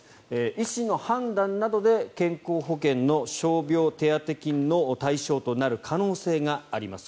医師の判断などで健康保険の傷病手当金の対象となる可能性があります。